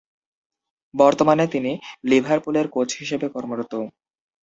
বর্তমানে তিনি লিভারপুলের কোচ হিসেবে কর্মরত।